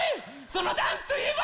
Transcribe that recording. そのダンスといえば。